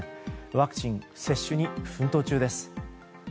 ワクチン接種に奮闘中です。